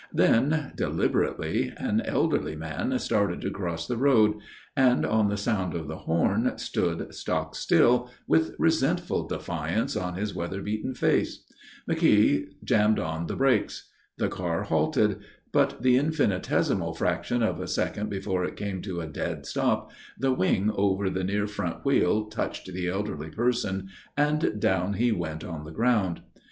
Then, deliberately, an elderly man started to cross the road, and on the sound of the horn stood stock still, with resentful defiance on his weather beaten face. McKeogh jammed on the brakes. The car halted. But the infinitesimal fraction of a second before it came to a dead stop the wing over the near front wheel touched the elderly person and down he went on the ground.